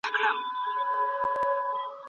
موږ پرون په ټولګي کي په پښتو ژبه بحث وکړ.